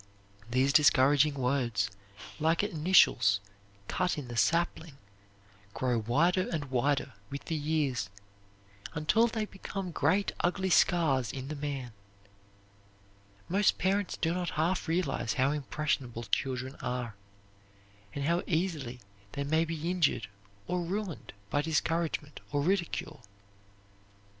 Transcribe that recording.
These discouraging words, like initials cut in the sapling, grow wider and wider with the years, until they become great ugly scars in the man. Most parents do not half realize how impressionable children are, and how easily they may be injured or ruined by discouragement or ridicule.